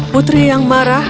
putri yang marah